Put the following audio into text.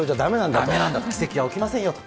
奇跡は起きませんよと。